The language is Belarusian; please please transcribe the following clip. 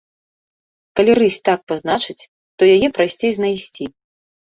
Калі рысь так пазначыць, то яе прасцей знайсці.